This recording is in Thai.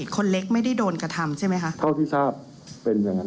คนเล็กไม่ได้โดนกระทำใช่ไหมคะเท่าที่ทราบเป็นอย่างนั้น